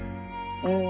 うん。